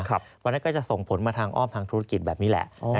เพราะฉะนั้นก็จะส่งผลมาทางอ้อมทางธุรกิจแบบนี้แหละ